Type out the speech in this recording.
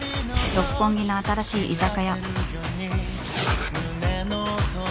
＃六本木の新しい居酒屋